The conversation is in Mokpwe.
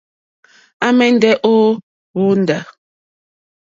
À mɛ̀ndɛ́ ô hwóndá.